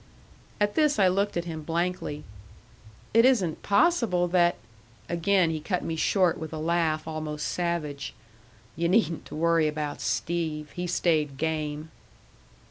At this I looked at him blankly. "It isn't possible that " Again he cut me short with a laugh almost savage. "You needn't to worry about Steve. He stayed game."